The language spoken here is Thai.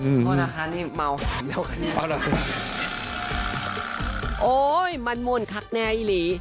โทษนะคะนี่เมาอ้าวโอ้ยมันมุ่นคักแน่อีหรี่